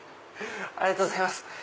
ありがとうございます。